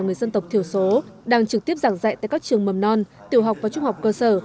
người dân tộc thiểu số đang trực tiếp giảng dạy tại các trường mầm non tiểu học và trung học cơ sở